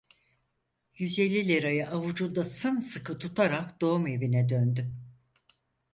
Yüz elli lirayı avucunda sımsıkı tutarak doğumevine döndü.